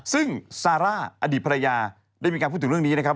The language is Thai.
ซึ่งซาร่าอดีตภรรยาได้มีการพูดถึงเรื่องนี้นะครับ